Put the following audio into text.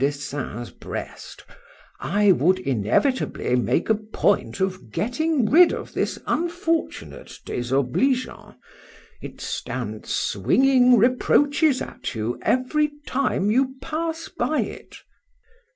Dessein's breast, I would inevitably make a point of getting rid of this unfortunate désobligeant;—it stands swinging reproaches at you every time you pass by it.